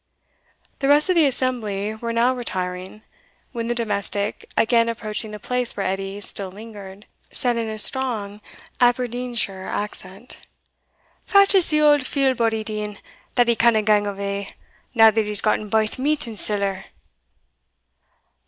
The rest of the assembly were now retiring, when the domestic, again approaching the place where Edie still lingered, said, in a strong Aberdeenshire accent, "Fat is the auld feel body deeing, that he canna gang avay, now that he's gotten baith meat and siller?"